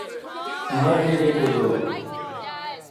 Марли бикӀуду?